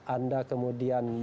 anda kemudian menghantar